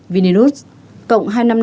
vilnius cộng hai trăm năm mươi năm